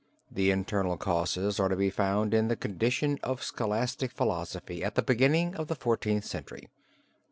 The internal causes are to be found in the condition of Scholastic philosophy at the beginning of the Fourteenth Century.